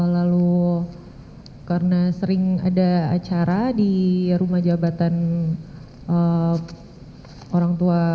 lalu karena sering ada acara di rumah jabatan orang tua